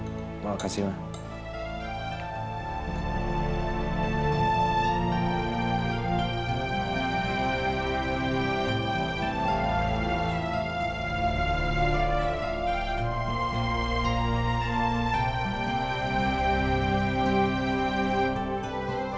terima kasih ma